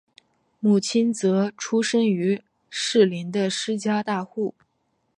母亲则出身于士林的施家大户。